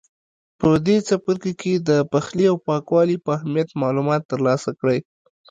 په دې څپرکي کې د پخلي او پاکوالي په اهمیت معلومات ترلاسه کړئ.